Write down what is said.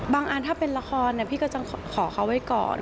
อันถ้าเป็นละครพี่ก็จะขอเขาไว้ก่อน